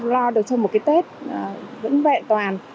lo được cho một cái tết vẫn vẹn toàn